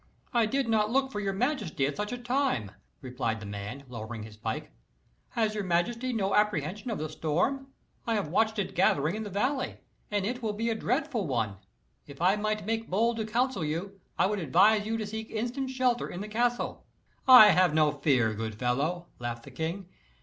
"I did not look for your majesty at such a time," replied the man, lowering his pike. "Has your majesty no apprehension of the storm? I have watched it gathering in the valley, and it will be a dreadful one. If I might make bold to counsel you, I would advise you to seek instant shelter in the castle." "I have no fear, good fellow," laughed the king.